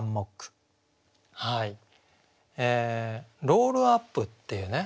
「ロールアップ」っていうね